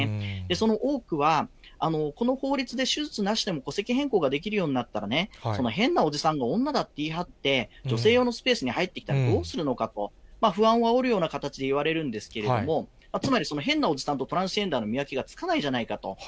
その多くは、この法律で手術なしでも戸籍変更ができるようになったら、変なおじさんが女だって言い張って、女性用のスペースに入ってきたらどうするのかと、不安をあおるような形で言われるんですけれども、つまりその変なおじさんとトランスジェンダーの見分けがつかないじゃないかと。